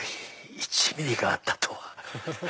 １ｍｍがあったとは。